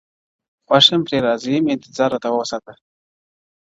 خوښ يم پرې راضي يم انتـظارراتـــه وســــــاتـــــــــــه~